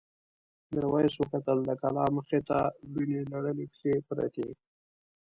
میرويس وکتل د کلا مخې ته وینې لړلې پښې پرتې.